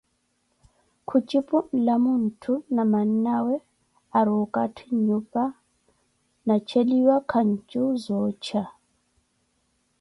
Khujipu nlamwantthu na mannawe ari okatthi nnyupa, na cheliwa kanju za oocha.